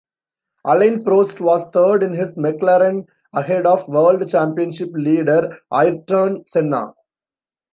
Alain Prost was third in his McLaren ahead of World Championship leader Ayrton Senna.